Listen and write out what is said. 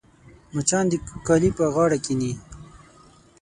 مچان د کالي پر غاړه کښېني